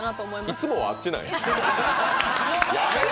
いつもはあっちなんや。